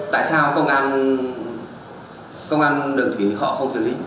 tại sao công an đường thủy họ không xử lý